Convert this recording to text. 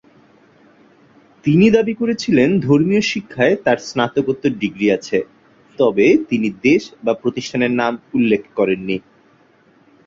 তিনি দাবি করেছিলেন ধর্মীয় শিক্ষায় তার স্নাতকোত্তর ডিগ্রি আছে, তবে তিনি দেশ বা প্রতিষ্ঠানের নাম উল্লেখ করেন নি।